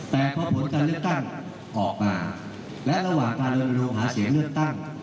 แต่พอผลการเลือกตั้งออกมาและระหว่างการลงหาเสียงเลือกตั้ง